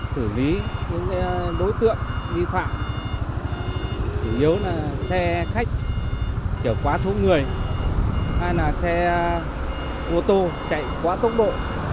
xử lý những đối tượng vi phạm chủ yếu là xe khách chở quá thúc người hay là xe ô tô chạy quá tốc độ